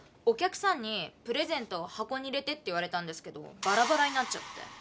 おきゃくさんにプレゼントをはこに入れてって言われたんですけどバラバラになっちゃって。